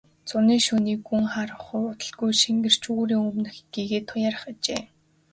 Зуны шөнийн гүн харанхуй удалгүй шингэрч үүрийн өмнөх гэгээ туяарах ажээ.